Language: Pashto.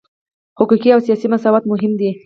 حقوقي او سیاسي مساوات مهم دي.